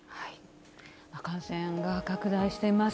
感染が拡大してます。